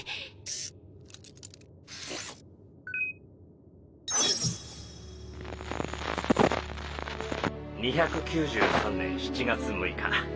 Ｘ２９３年７月６日。